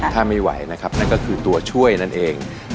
ถ้าไม่ไหวนะครับนั่นก็คือตัวช่วยนั่นเอง